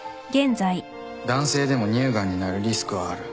男性でも乳がんになるリスクはある。